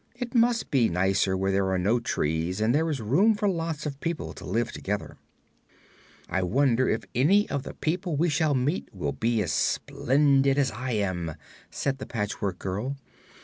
It must be nicer where there are no trees and there is room for lots of people to live together." "I wonder if any of the people we shall meet will be as splendid as I am," said the Patchwork Girl.